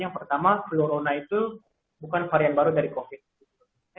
yang pertama flurona itu bukan varian baru dari covid